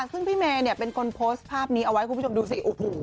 ซึ่งพี่เมย์เนี่ยเป็นคนโพสต์ภาพนี้เอาไว้คุณผู้ชมดูสิโอ้โห